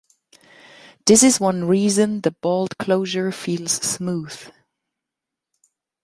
This is one reason the bolt closure feels smooth.